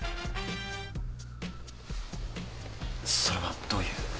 それはどういう？